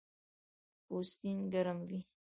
پوستین ګرم وي